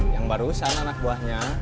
yang barusan anak buahnya